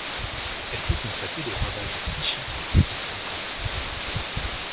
Elle peut constater les ravages psychiques et physiques du camp.